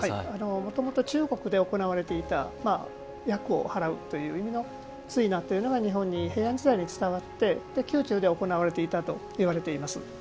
もともと中国で行われていた厄を払うという意味の追儺が日本に平安時代に伝わって宮中で行われていたといわれています。